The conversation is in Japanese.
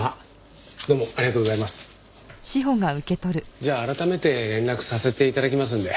じゃあ改めて連絡させて頂きますので。